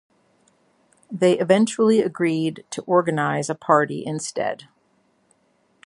They eventually agreed to organize a party instead.